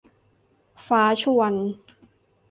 ฟ้าชวน